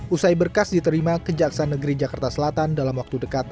usai berkas diterima kejaksaan negeri jakarta selatan dalam waktu dekat